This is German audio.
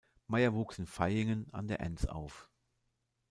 Meyer wuchs in Vaihingen an der Enz auf.